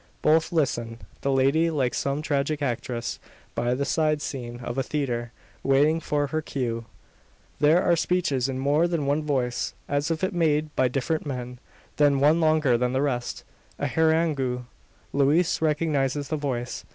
Both listen; the lady like some tragic actress, by the side scene of a theatre, waiting for her cue. There are speeches in more than one voice; as if made by different men; then one longer than the rest a harangue. Louise recognises the voice.